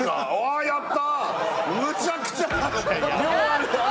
あやった！